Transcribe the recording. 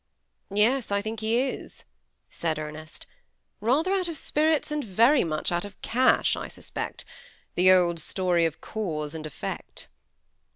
^ Yes, I think he is," said Ernest, ^ rather out of spirits, and very much out of cash, I suspect ; the old story of cause and effect."